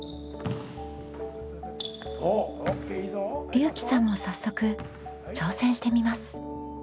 りゅうきさんも早速挑戦してみます。